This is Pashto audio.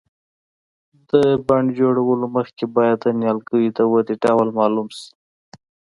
د بڼ جوړولو مخکې باید د نیالګیو د ودې ډول معلوم شي.